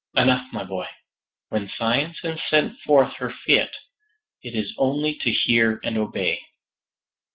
"But " "Enough, my boy. When science has sent forth her fiat it is only to hear and obey."